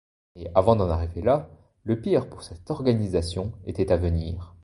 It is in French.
Mais avant d'en arriver là, le pire pour cette organisation était à venir.